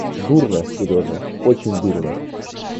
Дурно, Сережа, очень дурно.